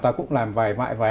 ta cũng làm vài vại